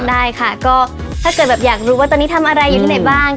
ได้ค่ะก็ถ้าเกิดแบบอยากรู้ว่าตอนนี้ทำอะไรอยู่ที่ไหนบ้าง